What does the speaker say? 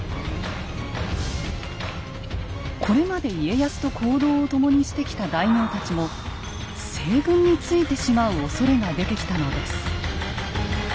これまで家康と行動を共にしてきた大名たちも西軍についてしまうおそれが出てきたのです。